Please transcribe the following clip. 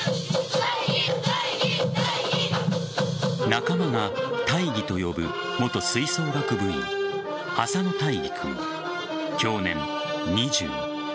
仲間がタイギと呼ぶ元吹奏楽部員浅野大義君享年２０。